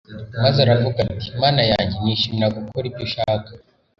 Maze aravuga ati: "Mana yanjye nishimira gukora ibyo ushaka,